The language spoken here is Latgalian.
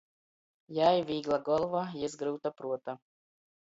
Jai — vīgla golva, jis — gryuta pruota.